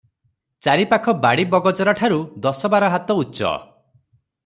ଚାରିପାଖ ଆଡ଼ି ବଗଚରା-ଠାରୁ ଦଶବାରହାତ ଉଚ୍ଚ ।